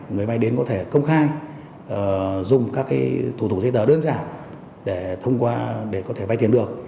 người vay đến có thể công khai dùng các thủ tục dây tờ đơn giản để có thể vay tiền được